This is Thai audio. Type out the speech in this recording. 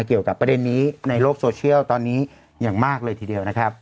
เกี่ยวกับประเด็นนี้ในโลกโซเชียลตอนนี้อย่างมากเลยทีเดียวนะครับ